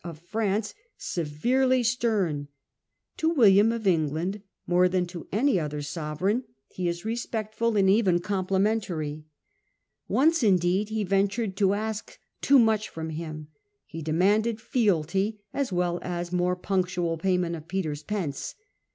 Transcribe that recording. of Prance, severely stern ; to William of England more than to any other sovereign he is respectful and even complimentary. Once, indeed, he ventured to ask too much from him : he demanded fealty as well as ' more punctual payment of Peter's pence.'